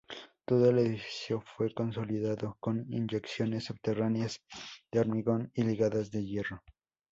Todo el edificio fue consolidado con inyecciones subterráneas de hormigón y ligadas de hierro.